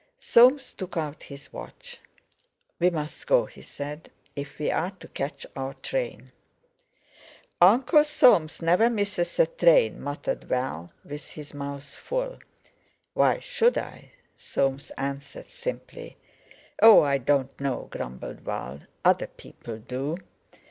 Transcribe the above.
Soames took out his watch. "We must go," he said, "if we're to catch our train." "Uncle Soames never misses a train," muttered Val, with his mouth full. "Why should I?" Soames answered simply. "Oh! I don't know," grumbled Val, "other people do."